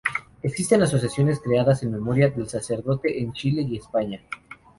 Existen asociaciones creadas en memoria del sacerdote, en Chile y España.